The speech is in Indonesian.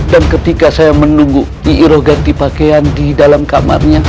dan ketika saya menunggu nyi iroh ganti pakaian di dalam kamarnya